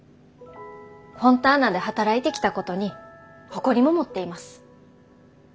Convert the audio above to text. フォンターナで働いてきたことに誇りも持っています。